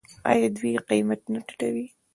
آیا دوی قیمت نه ټیټوي؟